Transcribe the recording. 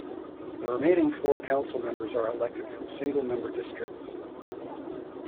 The remaining four council members are elected from single-member districts.